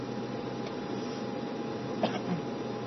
Hala, bigarren plateraren txanda helduko da.